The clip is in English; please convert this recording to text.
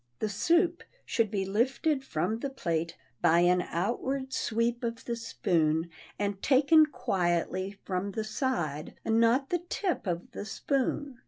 The soup should be lifted from the plate by an outward sweep of the spoon, and taken quietly from the side, not the tip, of the spoon.